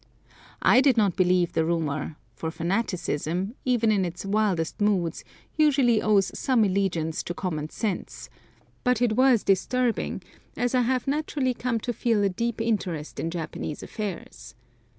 I did not believe the rumour, for fanaticism, even in its wildest moods, usually owes some allegiance to common sense; but it was disturbing, as I have naturally come to feel a deep interest in Japanese affairs.